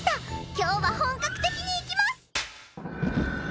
今日は本格的にいきます！